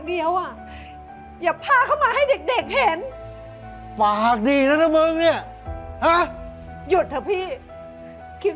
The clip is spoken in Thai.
ที่ผ่านมาพี่จะอาจจะไปหาเสร็จหาเลยข้างนอกที่ไหน